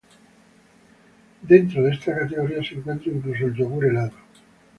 Dentro de esta categoría se encuentra incluso el yogur helado.